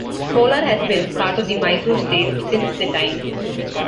Kolar has been part of the Mysore State since that time.